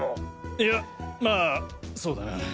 いやまあそうだな。